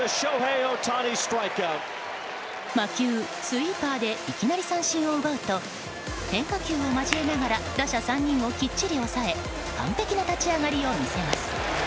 魔球スイーパーでいきなり三振を奪うと変化球を交えながら打者３人をきっちり抑え完璧な立ち上がりを見せます。